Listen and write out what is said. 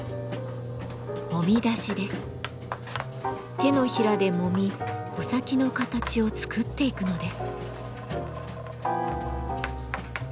手のひらでもみ穂先の形を作っていくのです。